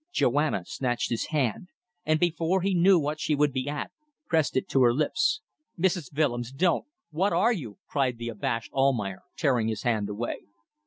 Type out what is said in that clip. Joanna snatched his hand and before he knew what she would be at, pressed it to her lips. "Mrs. Willems! Don't. What are you ..." cried the abashed Almayer, tearing his hand away.